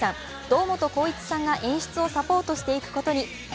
堂本光一さんが演出をサポートしていくことに。